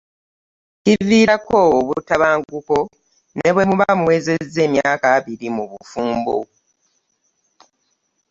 Kiviirako obutam anguko nebwemuba mumza emyaka abiti mu bufumbo .